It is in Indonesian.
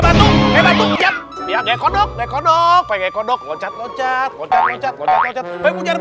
bantu bantu ucap ya kayak kondok kondok kayak kondok loncat loncat loncat loncat loncat